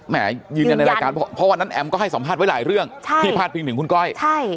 ยืนยันในรายการเพราะวันนั้นแอมก็ให้สัมภาษณ์ไว้หลายเรื่องที่พาดพิงถึงคุณก้อยใช่